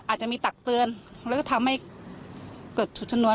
อาจจะมีตักเตือนจะทำให้เกิดฉุจชนวน